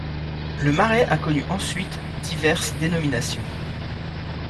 Le marais a connu ensuite diverses dénominations.